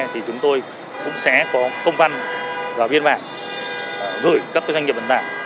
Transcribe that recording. thì chúng tôi cũng sẽ có công văn và biên bản gửi các doanh nghiệp vận tải